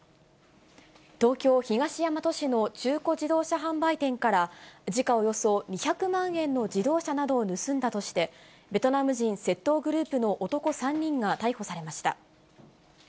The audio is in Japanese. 東京・東大和市の中古自動車販売店から、時価およそ２００万円の自動車などを盗んだとして、ベトナム人窃盗グループの男３人が逮捕されました。